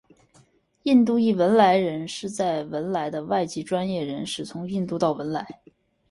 印度裔汶莱人是在文莱的外籍专业人士从印度到文莱。